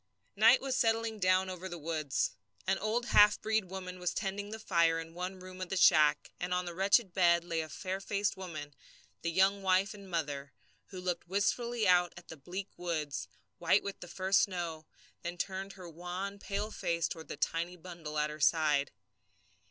Night was settling down over the woods. An old half breed woman was tending the fire in the one room of the shack, and on the wretched bed lay a fair faced woman, the young wife and mother, who looked wistfully out at the bleak woods, white with the first snow, then turned her wan, pale face toward the tiny bundle at her side.